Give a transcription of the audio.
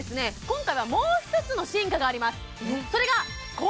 今回はもうひとつの進化があります